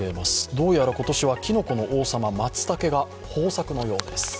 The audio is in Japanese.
どうやら今年はきのこの王様松茸が豊作のようです。